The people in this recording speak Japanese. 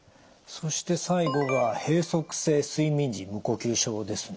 そして最後が閉塞性睡眠時無呼吸症ですね。